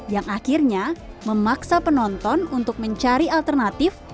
yang akhirnya memaksa penonton untuk mencari alternatif